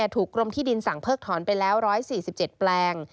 กรมที่ดินสั่งเพิกถอนไปแล้ว๑๔๗แปลง